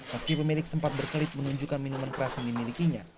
meski pemilik sempat berkelit menunjukkan minuman keras yang dimilikinya